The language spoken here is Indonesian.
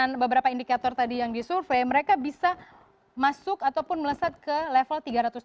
jadi setelah indikator tadi yang disurvey mereka bisa masuk ataupun melesat ke level tiga ratus tiga puluh satu